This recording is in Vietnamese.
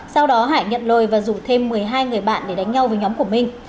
sau đó hải nhận lời và rủ thêm một mươi hai người bạn để đánh nhau với nhóm của minh